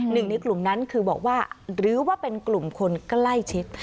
หนึ่งในกลุ่มนั้นคือบอกว่าหรือว่าเป็นกลุ่มคนใกล้ชิด